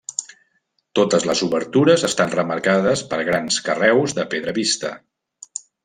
Totes les obertures estan remarcades per grans carreus de pedra vista.